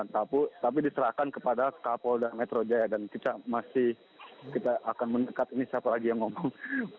tapi diserahkan kepada kapolda metro jaya dan kita masih kita akan mendekat ini siapa lagi yang ngomong